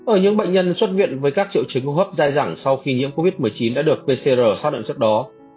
ở những bệnh nhân xuất viện với các triệu chứng hô hấp dai dẳng sau khi nhiễm covid một mươi chín đã được pcr xác định trước đó